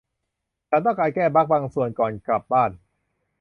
ฉันต้องการแก้บัคบางส่วนก่อนกลับบ้าน